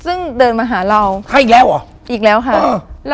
ซึ่งเดินมาหาเราให้อีกแล้วเหรออีกแล้วค่ะ